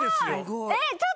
えっ？